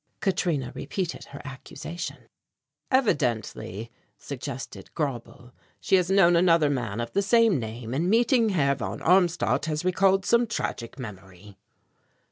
Katrina repeated her accusation. "Evidently," suggested Grauble, "she has known another man of the same name, and meeting Herr von Armstadt has recalled some tragic memory."